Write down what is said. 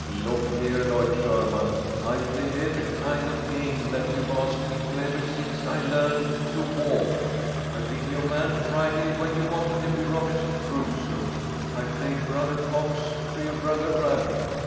"Look here, Lloyd Sherman, I've played every kind of a game that you've asked me to ever since I learned to walk. I've been your man Friday when you wanted to be Robinson Crusoe, and played B'r Fox to your B'r Rabbit.